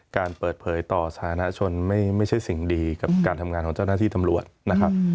การเปิดเผยต่อสาธารณชนไม่ใช่สิ่งดีกับการทำงานของเจ้าหน้าที่ตำรวจนะครับ